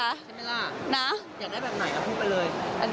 ใช่ไหมล่ะนะอยากได้แบบไหนพูดไปเลย